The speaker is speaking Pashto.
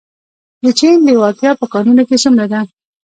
د چین لیوالتیا په کانونو کې څومره ده؟